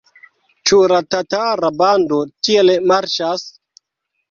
Ĉu la tatara bando tiel marŝas?